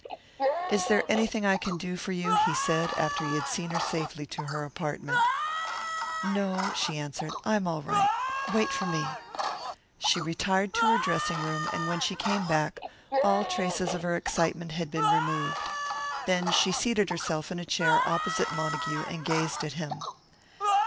"Is there anything I can do for you?" he said, after he had seen her safely to her apartment. "No," she answered. "I am all right. Wait for me." She retired to her dressing room, and when she came back, all traces of her excitement had been removed. Then she seated herself in a chair opposite Montague and gazed at him.